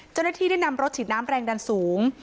เจ้าหน้าที่ได้นำรถฉีดน้ำแรงดันสูง